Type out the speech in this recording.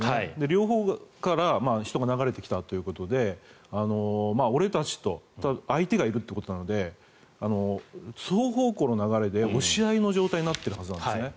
両方から人が流れてきたということで俺たちと相手がいるということなので双方向の流れで押し合いの状態になっているはずなんですね。